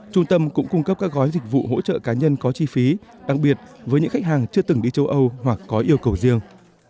trung tâm cũng cung cấp các gói dịch vụ hỗ trợ cá nhân có chi phí đặc biệt với những khách hàng chưa từng đi châu âu hoặc có yêu cầu riêng